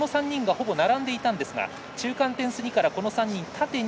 並んでいたんですが中間点過ぎからこの３人、縦に